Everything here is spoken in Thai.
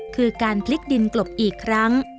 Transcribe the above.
คือการพลิกดินกลบอีกครั้ง